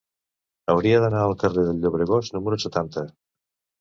Hauria d'anar al carrer del Llobregós número setanta.